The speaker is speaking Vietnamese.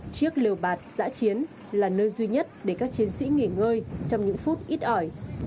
chiếc liều bạt giã chiến là nơi duy nhất để các chiến sĩ nghỉ ngơi trong những phút ít ỏi